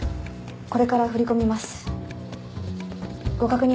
これから振り込みますご確認